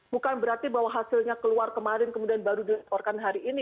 bukan berarti bahwa hasilnya keluar kemarin kemudian baru dilaporkan hari ini